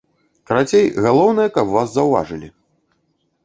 Карацей, галоўнае, каб вас заўважылі.